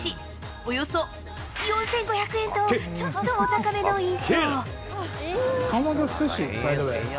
およそ４５００円と、ちょっとお高めの印象。